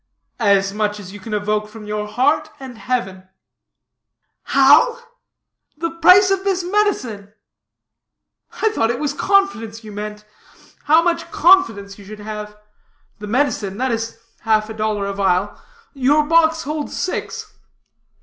"As much as you can evoke from your heart and heaven." "How? the price of this medicine?" "I thought it was confidence you meant; how much confidence you should have. The medicine, that is half a dollar a vial. Your box holds six."